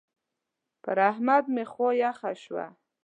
پر احمد مې خوا يخه شوه.